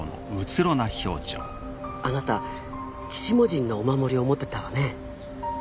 あなた鬼子母神のお守りを持ってたわね